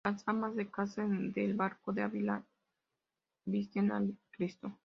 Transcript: Las amas de casa de El Barco de Ávila, visten al Cristo.